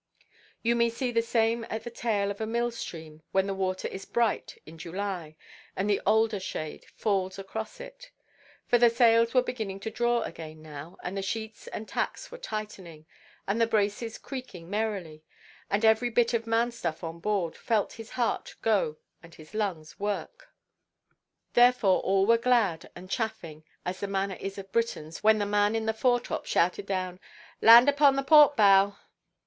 You may see the same at the tail of a mill–stream, when the water is bright in July, and the alder–shade falls across it. For the sails were beginning to draw again now, and the sheets and tacks were tightening, and the braces creaking merrily, and every bit of man–stuff on board felt his heart go, and his lungs work. Therefore all were glad and chaffing, as the manner is of Britons, when the man in the foretop shouted down, "Land upon the port–bow."